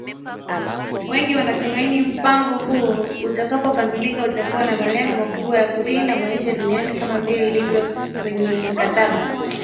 Wengi wanatumai mpango huo utakapokamilika, utakuwa na malengo makubwa ya kulinda maisha duniani kama vile ilivyo kwenye mkataba.